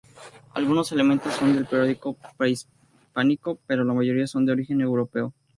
Algunos elementos son del periodo prehispánico pero la mayoría son de origen europeo.